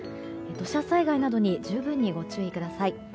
土砂災害などに十分にご注意ください。